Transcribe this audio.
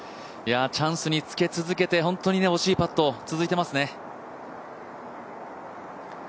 チャンスにつけ続けて、本当に惜しいパット続いていますね。